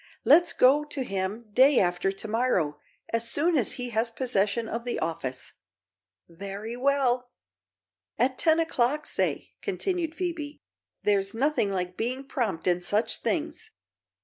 Let's go to him day after to morrow, as soon as he has possession of the office." "Very well." "At ten o'clock, say," continued Phoebe. "There's nothing like being prompt in such things.